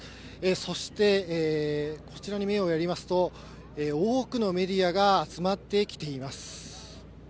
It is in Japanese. そして、こちらに目をやりますと、多くのメディアが集まってきています。